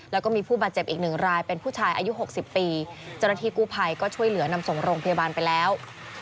แล้วก็มีผู้บาดเจ็บอีกหนึ่งรายเป็นผู้ชายอายุ๖๐ปีเจ้าหน้าที่กู้ภัยก็ช่วยเหลือนำส่งโรงพยาบาลไปแล้ว